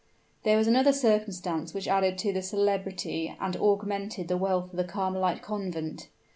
There was another circumstance which added to the celebrity and augmented the wealth of the Carmelite Convent.